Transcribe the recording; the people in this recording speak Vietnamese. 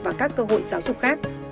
và các cơ hội giáo dục khác